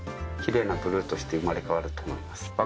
奇麗なブルーとして生まれ変わると思います。